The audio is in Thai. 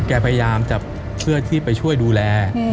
แกพยายามจะเพื่อที่ไปช่วยดูแล